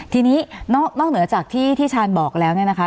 ทีนี้นอกเหนือจากที่ที่ชาญบอกแล้วเนี่ยนะคะ